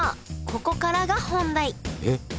ここからが本題えっ？